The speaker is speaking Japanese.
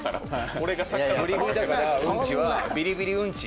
ブリブリだから、うんちは。